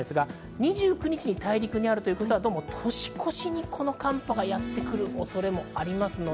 ２９日に大陸にあるということは、年越しに、この寒波がやってくる恐れもあります。